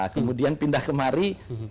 kemudian pindah kemari